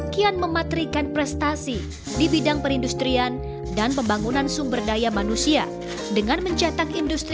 keputusan gubernur jawa timur